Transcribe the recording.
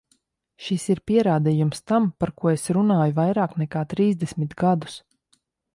Šis ir pierādījums tam, par ko es runāju vairāk nekā trīsdesmit gadus.